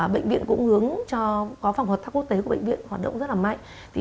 bệnh viện cũng hướng cho phòng hợp thác quốc tế của bệnh viện hoạt động rất mạnh